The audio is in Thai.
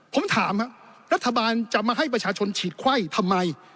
ผมถามรัฐบาลจะมาให้ประชาชนฉีดไข้ทำไม